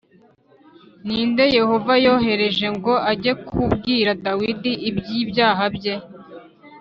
ni nde Yehova yohereje ngo ajye kubwira Dawidi iby’ ibyaha bye?